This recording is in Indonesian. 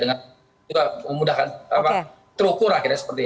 dengan juga memudahkan terukur akhirnya seperti itu